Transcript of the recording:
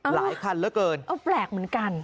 หลายคันเหลือเกิน